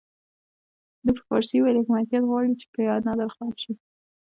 ده په فارسي وویل حکمتیار غواړي چې بیا نادرخان شي.